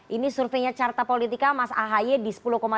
ini surveinya carta politika mas ahaye di sepuluh tujuh